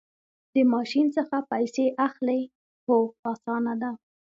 د ماشین څخه پیسې اخلئ؟ هو، اسانه ده